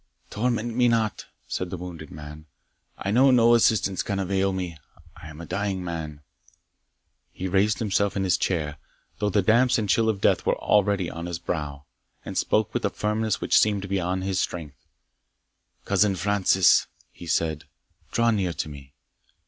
"Torment me not," said the wounded man "I know no assistance can avail me I am a dying man." He raised himself in his chair, though the damps and chill of death were already on his brow, and spoke with a firmness which seemed beyond his strength. "Cousin Francis," he said, "draw near to me."